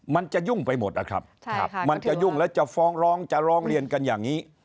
มันจะยุ่งไปหมดนะครับมันจะยุ่งแล้วจะฟ้องร้องจะร้องเรียนกันอย่างนี้